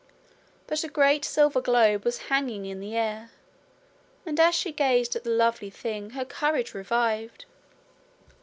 But a great silver globe was hanging in the air; and as she gazed at the lovely thing, her courage revived.